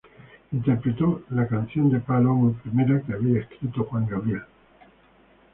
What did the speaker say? Interpretó la canción del Palomo, primera que habría escrito Juan Gabriel.